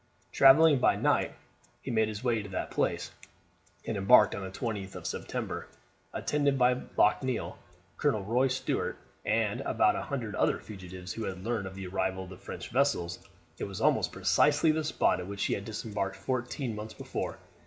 Travelling by night he made his way to that place, and embarked on the 20th of September, attended by Locheil, Colonel Roy Stuart, and about a hundred other fugitives who had learned of the arrival of the French vessels. It was almost precisely the spot at which he had disembarked fourteen months before.